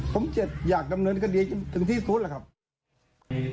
ผมจะอยากเจำเนินกดีถึงที่สุดแล้วครับ